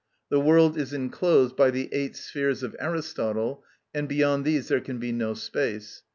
The world is enclosed by the eight spheres of Aristotle, and beyond these there can be no space.